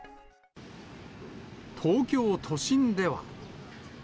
東京都心では。